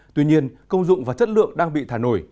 tuy nhiên công dụng và chất lượng đang bị thả nổi